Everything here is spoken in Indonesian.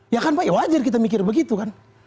ya kan pak ya wajar kita mikir begitu kan